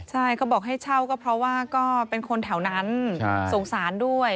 ใช่เขาบอกให้เช่าก็เพราะว่าก็เป็นคนแถวนั้นสงสารด้วย